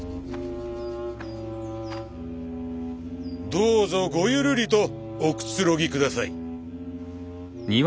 どうぞごゆるりとおくつろぎ下さい。